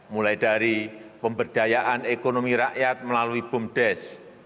mulai dari pemberdayaan ekonomi rakyat melalui bumdes